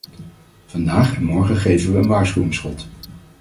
Vandaag en morgen geven we een waarschuwingsschot.